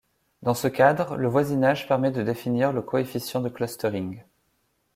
Dans ce cadre le voisinage permet de définir le coefficient de clustering.